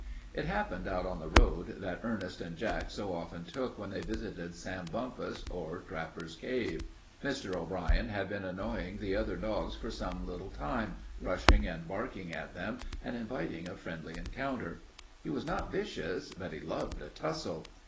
It happened out on the road that Ernest and Jack so often took when they visited Sam Bumpus or Trapper's Cave. Mr. O'Brien had been annoying the other dogs for some little time, rushing and barking at them and inviting a friendly encounter. He was not vicious, but he loved a tussle.